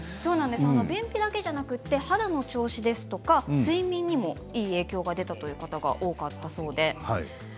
便秘だけではなくて肌の調子や睡眠にもいい影響が出た人が多かったそうです。